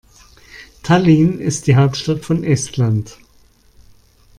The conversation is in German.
Tallinn ist die Hauptstadt von Estland.